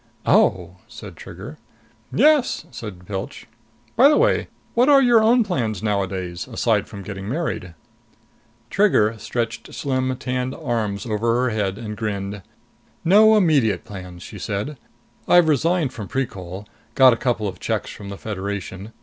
"Oh," said Trigger. "Yes," said Pilch. "By the way, what are your own plans nowadays? Aside from getting married." Trigger stretched slim tanned arms over her head and grinned. "No immediate plans!" she said. "I've resigned from Precol. Got a couple of checks from the Federation.